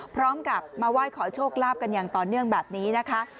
พร้อมกับมาไหว้ขอโชคลาภกันอย่างต่อเนื่องแบบนี้นะคะ